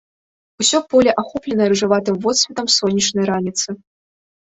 Усё поле ахоплена рыжаватым водсветам сонечнай раніцы.